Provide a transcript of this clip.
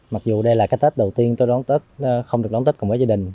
mặc dù đây là cái tết đầu tiên tôi đón tết không được đón tết cùng với gia đình